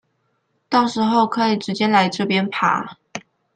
到時候可以直接來這邊爬